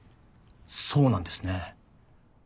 そうなんですね。